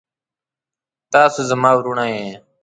تاسو زما وروڼه يې.